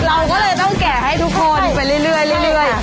เราก็เลยต้องแกะให้ทุกคนไปเรื่อย